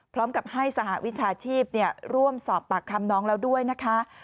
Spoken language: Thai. พร้อมกับให้สหวิชาชีพร่วมสอบปากคำน้องแล้วด้วยนะคะ